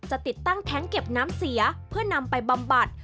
ติดตั้งแท้งเก็บน้ำเสียเพื่อนำไปบำบัด